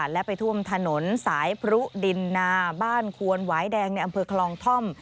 และไปท่วมถนนสายพรุดินนาบ้านควนหวายแดงในอำเภอคลองท่อม